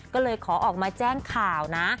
ก็เลยขอออกมาแจ้งข่าวนะ